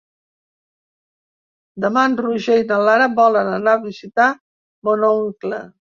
Demà en Roger i na Lara volen anar a visitar mon oncle.